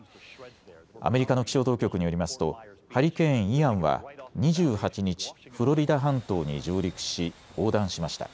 アメリカの気象当局によりますとハリケーン、イアンは２８日、フロリダ半島に上陸し横断しました。